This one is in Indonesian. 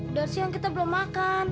udah siang kita belum makan